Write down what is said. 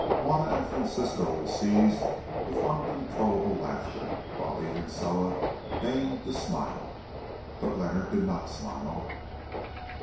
Juanna and Francisco were seized with uncontrollable laughter, while even Soa deigned to smile. But Leonard did not smile.